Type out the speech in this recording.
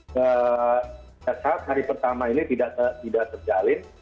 pada saat hari pertama ini tidak terjalin